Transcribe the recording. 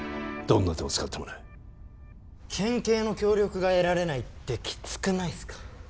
どんな手を使ってもね県警の協力が得られないってきつくないっすか？